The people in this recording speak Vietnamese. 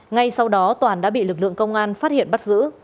ngay sau đó toàn đã bị lực lượng công an phát hiện bắt giữ